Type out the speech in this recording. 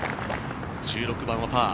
１６番はパー。